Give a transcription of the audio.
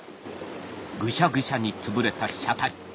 「ぐしゃぐしゃに潰れた車体。